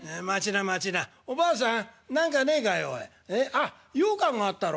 あっようかんがあったろ。